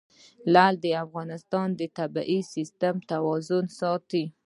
لعل د افغانستان د طبعي سیسټم توازن ساتي.